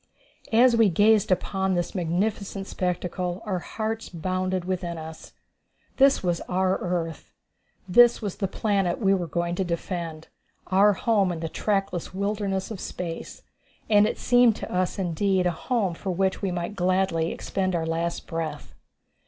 As we gazed upon this magnificent spectacle, our hearts bounded within us. This was our earth this was the planet we were going to defend our home in the trackless wilderness of space. And it seemed to us indeed a home for which we might gladly expend our last breath.